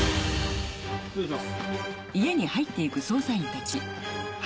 失礼します。